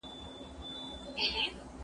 که تحقیق وکړو نو حقیقت نه پټیږي.